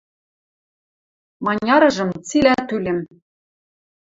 – Маняржым – цилӓ тӱлем!